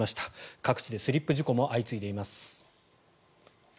各地でスリップ事故も相次いでいます。